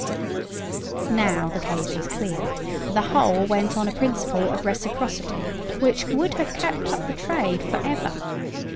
Now, the case is clear: the whole went on a principle of reciprocity which would have kept up the trade for ever.